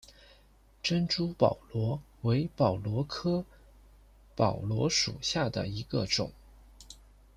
珍珠宝螺为宝螺科宝螺属下的一个种。